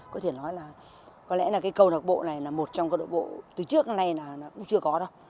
có thể nói là có lẽ là cái câu lạc bộ này là một trong các đội bộ từ trước đến nay là cũng chưa có đâu